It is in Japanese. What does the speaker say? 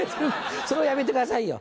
それはやめてくださいよ。